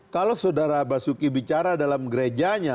kalau saudara basuki bicara dalam gerejanya